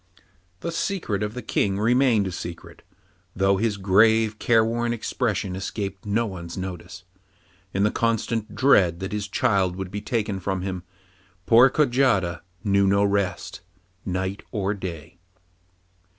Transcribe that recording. The secret of the King remained a secret, though his grave, careworn expression escaped no one's notice. In the constant dread that his child would be taken from him, poor Kojata knew no rest night or day.